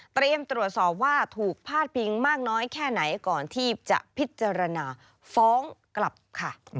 ตรวจสอบว่าถูกพาดพิงมากน้อยแค่ไหนก่อนที่จะพิจารณาฟ้องกลับค่ะ